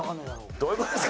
どういう事ですか？